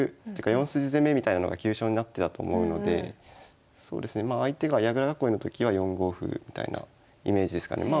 ４筋攻めみたいなのが急所になってたと思うので相手が矢倉囲いのときは４五歩みたいなイメージですかね。